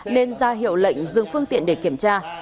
nên ra hiệu lệnh dừng phương tiện để kiểm tra